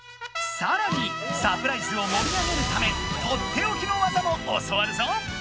さらにサプライズをもり上げるためとっておきの技も教わるぞ！